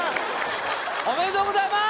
おめでとうございます！